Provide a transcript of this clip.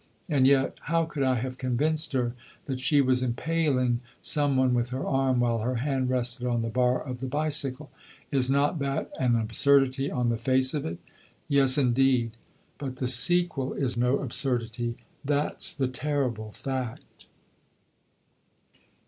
And yet how could I have convinced her that she was impaling some one with her arm while her hand rested on the bar of the bicycle? Is not that an absurdity on the face of it? Yes, indeed; but the sequel is no absurdity. That's the terrible fact.